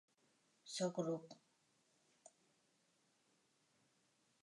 Sóc ruc.